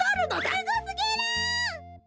すごすぎる！